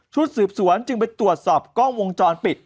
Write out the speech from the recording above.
สืบสวนจึงไปตรวจสอบกล้องวงจรปิด